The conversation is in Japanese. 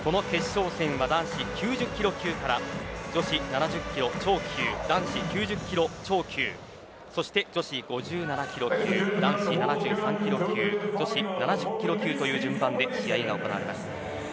男子９０キロ級から女子７０キロ超級男子９０キロ超級そして女子５７キロ級男子７３キロ級女子７０キロ級という順番で試合が行われます。